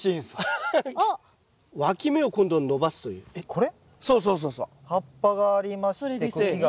これ？